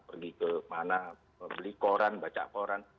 pergi ke mana membeli koran baca apa